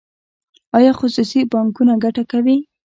آیا خصوصي بانکونه ګټه کوي؟